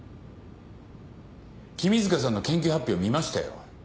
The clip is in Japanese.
君塚さんの研究発表見ましたよ。